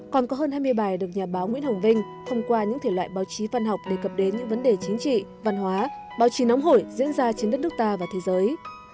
còn có hơn hai mươi bài được nhà báo nguyễn hồng vinh thông qua những thể loại báo chí văn học đề cập đến những vấn đề chính trị văn hóa báo chí nóng hổi diễn ra trên đất nước ta và thế giới